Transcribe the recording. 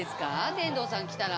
天童さん来たら。